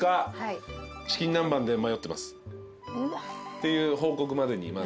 っていう報告までにまず。